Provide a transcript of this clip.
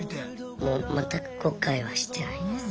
もう全く後悔はしてないです。